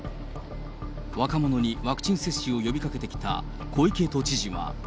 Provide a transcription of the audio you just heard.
若者にワクチン接種を呼びかけてきた小池都知事は。